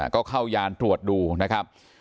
ก็เข้ายานตรวจดูนะครับ